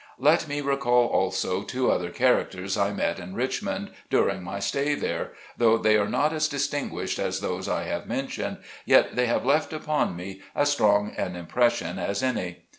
Let me recall, also, two other characters I met in Richmond during my stay there ; though they are not as distinguished as those I have mentioned, yet they have left upon me as strong an impression as any.